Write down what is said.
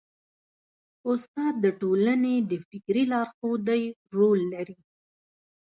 استاد د ټولنې د فکري لارښودۍ رول لري.